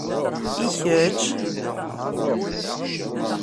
I kečč?